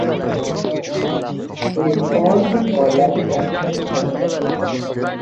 এরপর গলার ক্যান্সার ধরা পড়ে তাঁর।